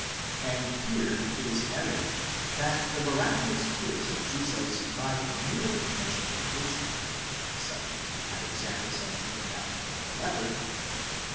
And here it is evident that the miraculous cures of Jesus by merely touching the patient, such as we have examples of in that of the leper, Matt.